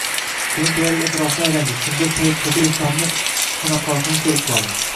Keyin, tevarak-atrofni aylandi. Shunda, Saidxo‘ja eshonni xonaqosini ko‘rib qoldi.